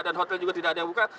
dan hotel juga tidak ada yang buka